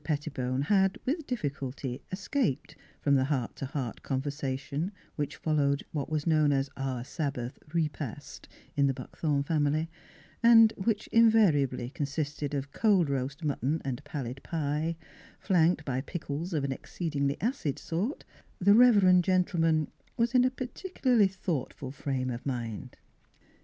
Pet tibone had with difficulty escaped from the heart to heart conversation which followed what was known as " our Sabbath repast " in the Buckthorn family, and which invar iably consisted of cold roast mutton and pallid pie, flanked by pickles of an exceed ingly acid sort, the reverend gentleman was in a particularly thoughtful frame of mind.